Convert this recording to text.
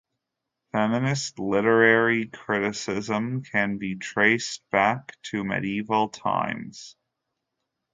Feminist literary criticism can be traced back to medieval times.